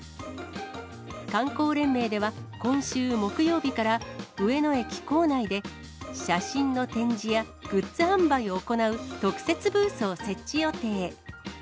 観光連盟では今週木曜日から、上野駅構内で、写真の展示やグッズ販売を行う特設ブースを設置予定。